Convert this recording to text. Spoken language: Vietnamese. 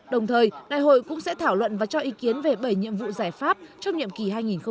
đồng thời đại hội cũng sẽ thảo luận và cho ý kiến về bảy nhiệm vụ giải pháp trong nhiệm kỳ hai nghìn hai mươi hai nghìn hai mươi năm